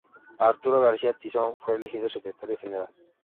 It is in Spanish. Arturo García-Tizón fue elegido Secretario General.